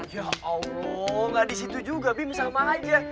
ya allah gak di situ juga bim sama aja